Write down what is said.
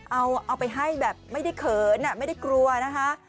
เอาไปให้แบบไม่ได้เขินไม่ได้กลัวนะคะ